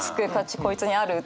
こいつにある？とか。